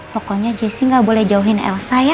pokoknya jessi nggak boleh jauhin elsa ya